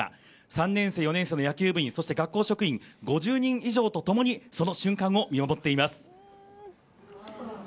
３年生、４年生の野球部員そして学校職員、５０人以上とともに、その瞬間を見守っています。